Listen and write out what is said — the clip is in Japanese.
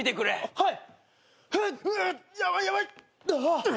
はい！